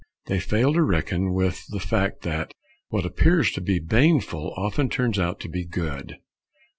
They fail to reckon with the fact that what appears to be baneful often turns out to be good.